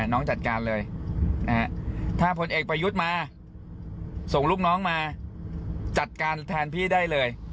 น้องจัดการเลยถ้าพลเอกประยุทธ์มาส่งลูกน้องมาจัดการแทนพี่ได้เลย